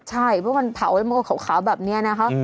ใช่เพราะมันเผาให้ขาวแบบเนี่ยนะคะ